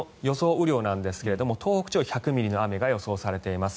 雨量なんですが東北地方、１００ミリの雨が予想されています。